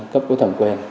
cấp của thẩm quyền